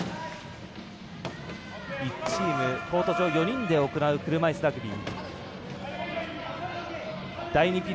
１チーム、コート上４人で行う車いすラグビー。